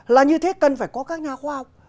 là như thế cần phải có các nhà khoa học